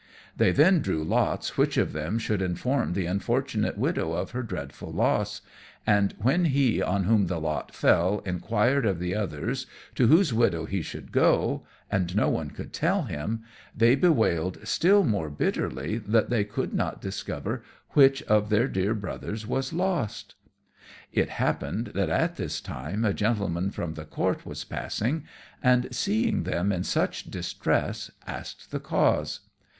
They then drew lots which of them should inform the unfortunate widow of her dreadful loss; and when he on whom the lot fell inquired of the others to whose widow he should go, and no one could tell him, they bewailed still more bitterly that they could not discover which of their dear brothers was lost. [Illustration: The Lost Fisherman found.] It happened that at this time a gentleman from the Court was passing, and seeing them in such distress, asked the cause.